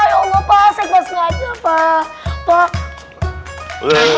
ya allah pak saya kebas ngajak pak